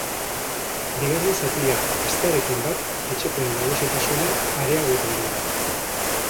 Bigarren zatia hastearekin bat, etxekoen nagusitasuna areagotu egin da.